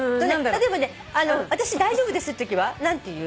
例えばね「私大丈夫です」ってときは何て言う？